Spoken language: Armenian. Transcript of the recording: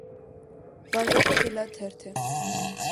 Բաժակը ձուլաթերթ է։